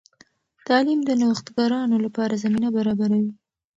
تعلیم د نوښتګرانو لپاره زمینه برابروي.